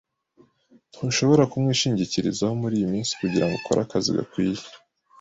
Ntushobora kumwishingikirizaho muriyi minsi kugirango ukore akazi gakwiye.